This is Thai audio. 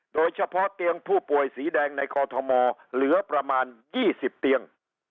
โดยเฉพาะเตียงผู้ป่วยสีแดงในกอทมเหลือประมาณ๒๐เตียง